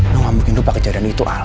noong ngasih lupa kejadian itu alte